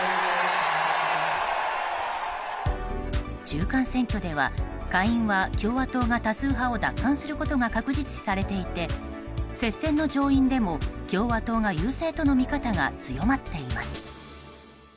中間選挙では下院は共和党が多数派を奪還することが確実視されていて接戦の上院でも共和党が優勢との見方が強まっています。